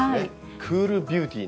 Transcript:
クールビューティーな。